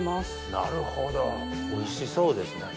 なるほどおいしそうですね。